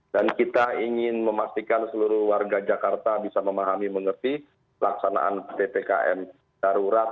dan kita ingin memastikan seluruh warga jakarta bisa memahami mengerti pelaksanaan ppkm darurat